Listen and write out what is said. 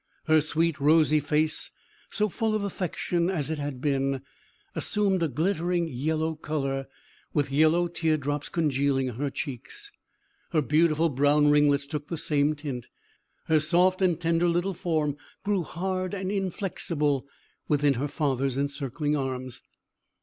Her sweet, rosy face, so full of affection as it had been, assumed a glittering yellow colour, with yellow tear drops congealing on her cheeks. Her beautiful brown ringlets took the same tint. Her soft and tender little form grew hard and inflexible within her father's encircling arms.